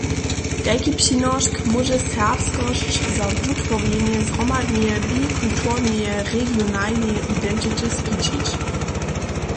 Kajki přinošk móže serbskosć za wutworjenje zhromadneje bi-kulturelneje regionalneje identity skićić?